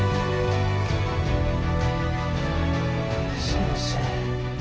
先生？